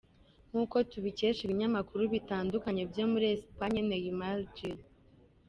Nk’uko tubikesha ibinyamakuru bitandukanye byo muri Espagne, Neymar Jr.